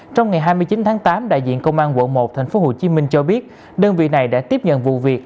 trong ngày hai mươi chín tháng tám đại diện công an quận một tp hcm cho biết đơn vị này đã tiếp nhận vụ việc